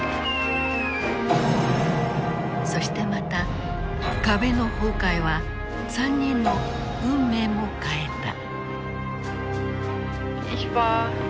そしてまた壁の崩壊は３人の運命も変えた。